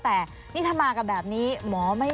แต่นี่ถ้ามากับแบบนี้หมอไม่